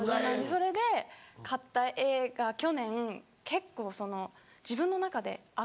それで買った絵が去年結構自分の中で上がったので。